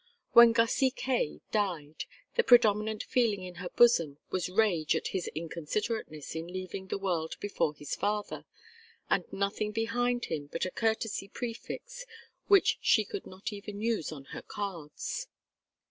When Gussy Kaye died, the predominant feeling in her bosom was rage at his inconsiderateness in leaving the world before his father, and nothing behind him but a courtesy prefix which she could not even use on her cards.